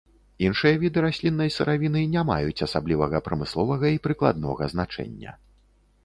Іншыя віды расліннай сыравіны не маюць асаблівага прамысловага і прыкладнога значэння.